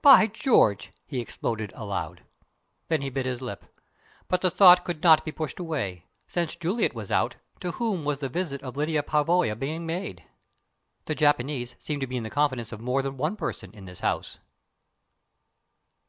"By George!" he exploded aloud. Then he bit his lip. But the thought could not be pushed away. Since Juliet was out, to whom was the visit of Lyda Pavoya being made? The Japanese seemed to be in the confidence of more than one person in this house!